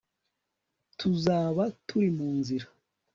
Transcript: tuzaba turi munzira